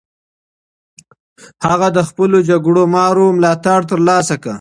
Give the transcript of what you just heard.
هغه د خپلو جګړه مارو ملاتړ ترلاسه کړ.